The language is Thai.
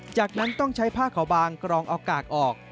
จากนั้นต้องใช้ผ้าขาวบางกรองเอากากออก